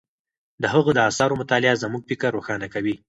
د هغه د آثارو مطالعه زموږ فکر روښانه کوي.